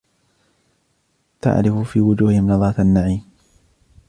تعرف في وجوههم نضرة النعيم